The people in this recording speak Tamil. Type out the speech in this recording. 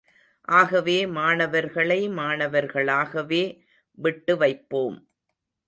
ஆகவே மாணவர்களை மாணவர்களாகவே விட்டுவைப்போம்.